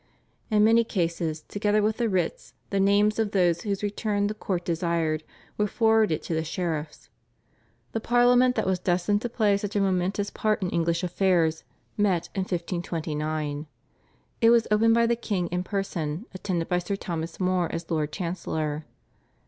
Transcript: In many cases together with the writs the names of those whose return the court desired were forwarded to the sheriffs. The Parliament that was destined to play such a momentous part in English affairs met in 1529. It was opened by the king in person attended by Sir Thomas More as Lord Chancellor.